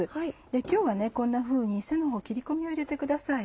今日はこんなふうに背のほう切り込みを入れてください。